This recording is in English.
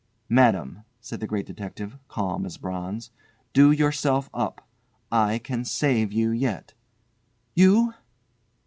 "Madame," said the Great Detective, calm as bronze, "do yourself up. I can save you yet." "You!"